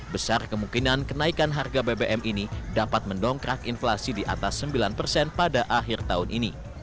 besar kemungkinan kenaikan harga bbm ini dapat mendongkrak inflasi di atas sembilan pada akhir tahun ini